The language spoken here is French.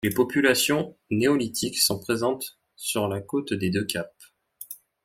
Les populations néolithiques sont présentes sur la côte des Deux Caps.